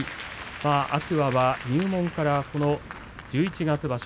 天空海は入門から十一月場所